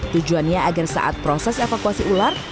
tujuannya agar saat proses evakuasi ular